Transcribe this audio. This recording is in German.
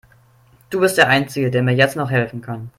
Du bist der einzige, der mir jetzt noch helfen kann.